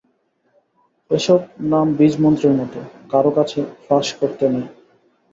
এ-সব নাম বীজমন্ত্রের মতো, কারো কাছে ফাঁস করতে নেই।